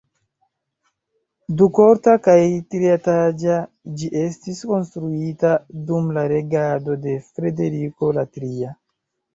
Dukorta kaj trietaĝa, ĝi estis konstruita dum la regado de Frederiko la Tria.